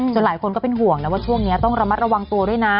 หลายคนก็เป็นห่วงนะว่าช่วงนี้ต้องระมัดระวังตัวด้วยนะ